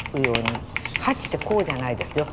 ８ってこうじゃないですよ